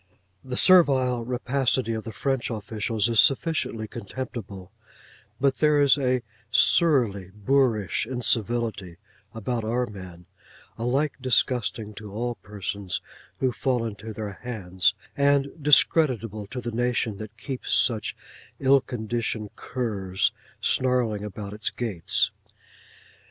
The servile rapacity of the French officials is sufficiently contemptible; but there is a surly boorish incivility about our men, alike disgusting to all persons who fall into their hands, and discreditable to the nation that keeps such ill conditioned curs snarling about its gates.